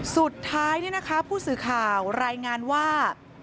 สุดท้ายเนี่ยนะคะผู้สื่อข่าวรายงานว่า